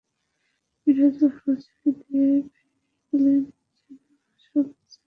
মিরাজও হাল ছেড়ে দিয়ে ফিরে গেলেই যেন আসল স্যামির দেখা মিলল।